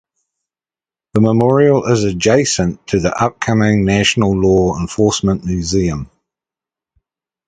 The memorial is adjacent to the upcoming National Law Enforcement Museum.